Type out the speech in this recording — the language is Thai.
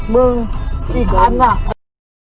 มึงที่ด้านหลัง